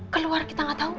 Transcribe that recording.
keluar kita nggak tahu